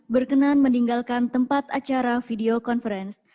berkenan meninggalkan tempat acara video conference